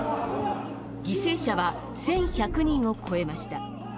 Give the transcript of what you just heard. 犠牲者は１１００人を超えました。